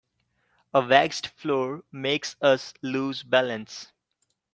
A waxed floor makes us lose balance.